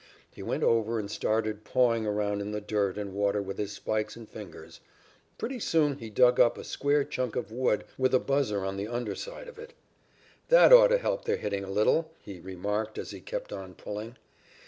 He went over and started pawing around in the dirt and water with his spikes and fingers. Pretty soon he dug up a square chunk of wood with a buzzer on the under side of it. "'That ought to help their hitting a little,' he remarked as he kept on pulling.